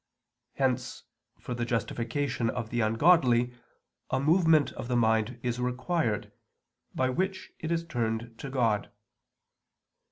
Hence for the justification of the ungodly a movement of the mind is required, by which it is turned to God.